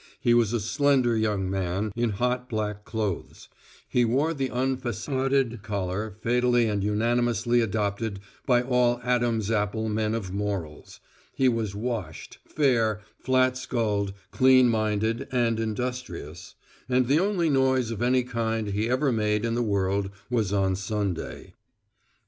He was a slender young man in hot black clothes; he wore the unfacaded collar fatally and unanimously adopted by all adam's apple men of morals; he was washed, fair, flat skulled, clean minded, and industrious; and the only noise of any kind he ever made in the world was on Sunday.